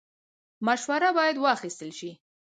مشوره باید واخیستل شي